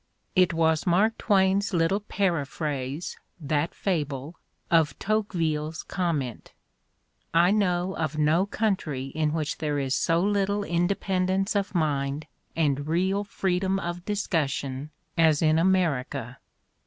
It was Mark Twain's little paraphrase, that f^ble, of Tocqueville 's comment: "I know of no country in which there is so little independence of mind and real free dom of discussion as in America."